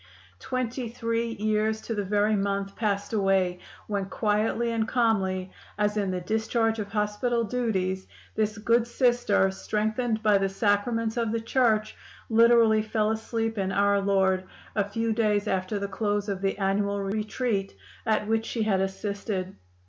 "Twenty three years to the very month passed away, when quietly and calmly, as in the discharge of hospital duties, this good Sister, strengthened by the Sacraments of the Church, literally fell asleep in Our Lord, a few days after the close of the annual retreat, at which she had assisted.